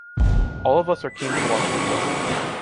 All of us are keen to watch the film.